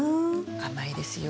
甘いですよ。